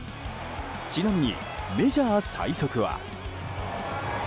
ちなみにメジャー最速は。